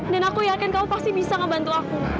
dan aku yakin kamu pasti bisa ngebantu aku